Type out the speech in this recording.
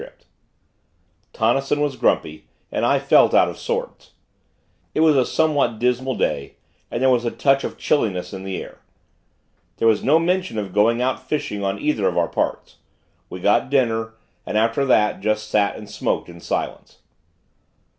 Tonnison was grumpy, and I felt out of sorts. It was a somewhat dismal day, and there was a touch of chilliness in the air. There was no mention of going out fishing on either of our parts. We got dinner, and, after that, just sat and smoked in silence.